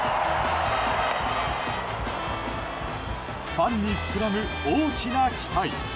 ファンに膨らむ大きな期待。